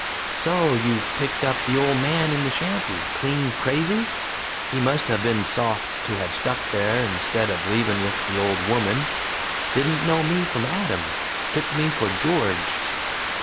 "So you've picked up the ole man in the shanty, clean crazy? He must have been soft to have stuck there instead o' leavin' with the old woman. Didn't know me from Adam; took me for George!"